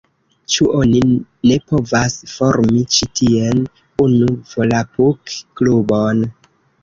Ĉu oni ne povas formi ĉi tien unu volapuk-klubon?